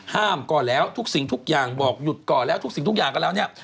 ก่อนแล้วทุกสิ่งทุกอย่างบอกหยุดก่อนแล้วทุกสิ่งทุกอย่างก็แล้วเนี่ย